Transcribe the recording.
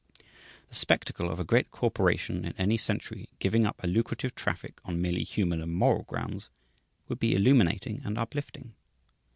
The spectacle of a great corporation in any century giving up a lucrative traffic on merely human and moral grounds would be illuminating and uplifting.